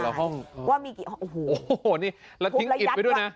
โอ้โหโอ้โหนี่แล้วทิ้งอิตไว้ด้วยนะ